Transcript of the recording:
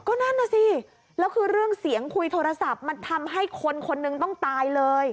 ก็นั่นน่ะสิแล้วคือเรื่องเสียงคุยโทรศัพท์มันทำให้คนคนหนึ่งต้องตายเลย